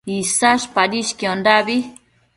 Isash padishquiondabi